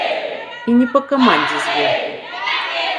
І не па камандзе зверху.